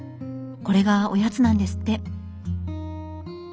これがおやつなんですって。